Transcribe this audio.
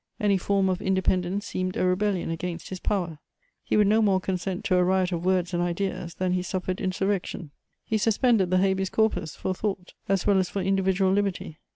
Any form of independence seemed a rebellion against his power; he would no more consent to a riot of words and ideas than he suffered insurrection. He suspended the Habeas Corpus for thought as well as for individual liberty.